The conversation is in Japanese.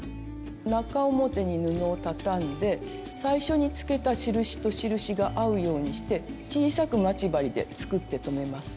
中表に布を畳んで最初につけた印と印が合うようにして小さく待ち針ですくって留めます。